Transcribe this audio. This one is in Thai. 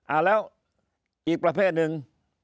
อ่าแล้วอีกประเภทหนึ่ง